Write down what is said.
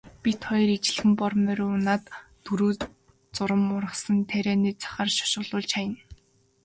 Бид хоёр ижилхэн бор морь унаад дөрөө зурам ургасан тарианы захаар шогшуулж явна.